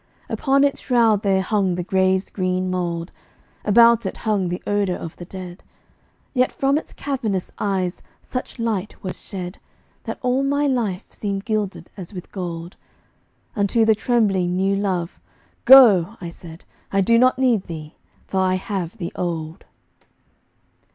Upon its shroud there hung the grave's green mould, About it hung the odor of the dead; Yet from its cavernous eyes such light was shed That all my life seemed gilded, as with gold; Unto the trembling new love '"Go," I said "I do not need thee, for I have the old."